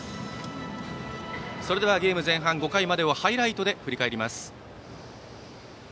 それではゲーム前半、５回までをハイライトで振り返ります。